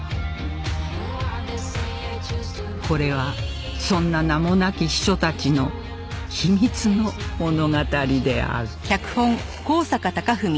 これはそんな名もなき秘書たちの秘密の物語である